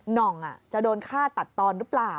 ห่องจะโดนฆ่าตัดตอนหรือเปล่า